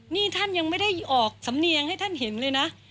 นี่ท่านยังไม่ได้ออกสำเนียงให้ท่านเห็นเลยนะ